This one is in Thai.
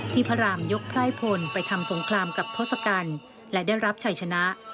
พระรามยกไพร่พลไปทำสงครามกับทศกัณฐ์และได้รับชัยชนะ